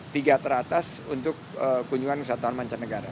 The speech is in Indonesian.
tiga teratas untuk kunjungan wisatawan mancanegara